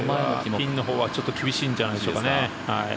ピンのほうはちょっと厳しいんじゃないですかね。